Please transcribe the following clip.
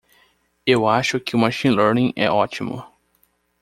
Eu acho que o Machine Learning é ótimo.